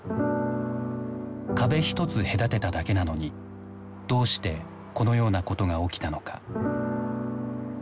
壁一つ隔てただけなのにどうしてこのようなことが起きたのか？